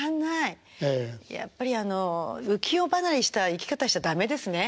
やっぱりあの浮世離れした生き方しちゃ駄目ですね。